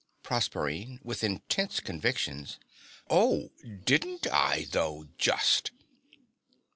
PROSERPINE (with intense conviction). Oh, didn't I though, just!